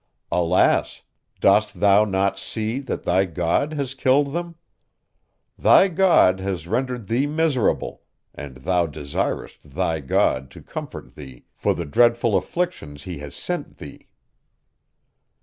Alas! Dost thou not see, that thy God has killed them? Thy God has rendered thee miserable, and thou desirest thy God to comfort thee for the dreadful afflictions he has sent thee!